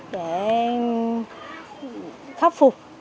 để khắc phục